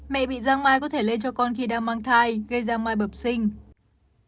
mẹ bị giang mai có thể lây cho con khi đang mang thai gây giang mai bập sinh